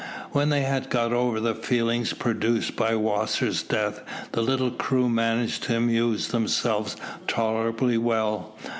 When they had got over the feelings produced by Wasser's death, the little crew managed to amuse themselves tolerably well.